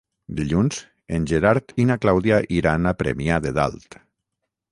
Dilluns en Gerard i na Clàudia iran a Premià de Dalt.